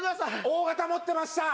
大型持ってました！